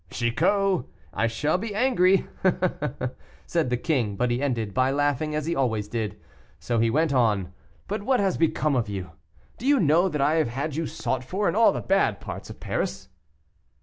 "Chicot, I shall be angry," said the king; but he ended by laughing, as he always did; so he went on: "But what has become of you? Do you know that I have had you sought for in all the bad parts of Paris?"